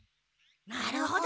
なるほど。